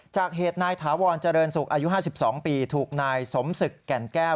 จากเหตุนายถาวรเจริญศุกร์อายุ๕๒ปีถูกนายสมศึกแก่นแก้ว